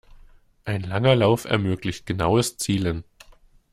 Ein langer Lauf ermöglicht genaues Zielen.